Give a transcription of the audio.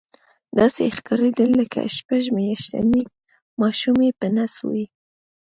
داسې ښکارېدل لکه شپږ میاشتنی ماشوم یې په نس وي.